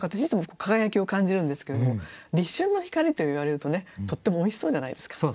いつも輝きを感じるんですけれども「立春のひかり」と言われるとねとってもおいしそうじゃないですか。